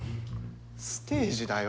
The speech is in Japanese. ステージだよ。